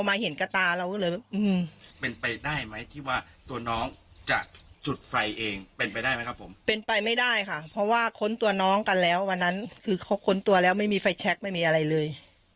ไม่ได้ค่ะเพราะว่าคนตัวน้องกันแล้ววันนั้นคือเขาคนตัวแล้วไม่มีไฟแช็คไม่มีอะไรเลย